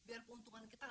ini dia uangnya